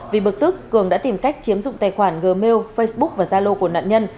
vì bực tức cường đã tìm cách chiếm dụng tài khoản gmail facebook và gia lô của nạn nhân